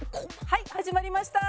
はい始まりました。